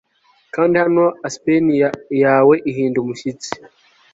kandi hano aspen yawe ihinda umushyitsi